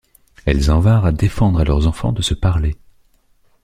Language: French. Elles en vinrent à défendre à leurs enfants de se parler.